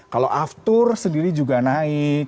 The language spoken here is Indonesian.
kalau aftur sendiri juga naik